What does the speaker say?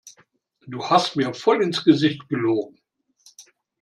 Du hast mir voll ins Gesicht gelogen!